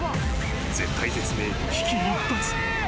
絶体絶命、危機一髪。